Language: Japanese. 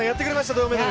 銅メダル。